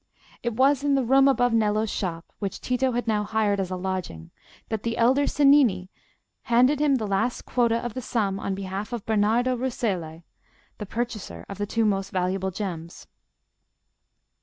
It was in the room above Nello's shop, which Tito had now hired as a lodging, that the elder Cennini handed him the last quota of the sum on behalf of Bernardo Rucellai, the purchaser of the two most valuable gems.